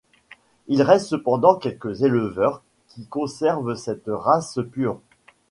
Il reste cependant quelques éleveurs qui conservent cette race pure.